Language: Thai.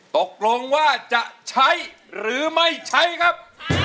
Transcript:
ตกลงว่าจะใช้หรือไม่ใช้ครับ